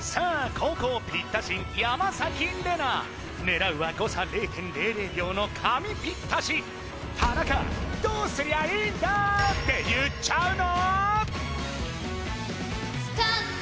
後攻ピッタ神山玲奈狙うは誤差０．００秒の神ピッタシ田中どうすりゃいいんだって言っちゃうの？